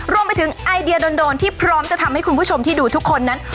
รวมไปถึงไอเดียโดนที่พร้อมจะทำให้คุณผู้ชมที่ดูทุกคนนั้น